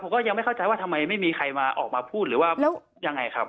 ก็ไม่เข้าใจว่าทำไมไม่มีใครมาออกมาพูดหรือว่ายังไงครับ